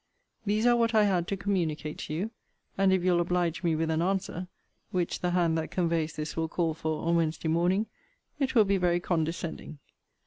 These are what I had to communicate to you; and if you'll oblige me with an answer, (which the hand that conveys this will call for on Wednesday morning,) it will be very condescending.